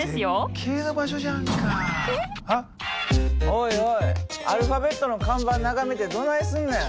おいおいアルファベットの看板眺めてどないすんねん。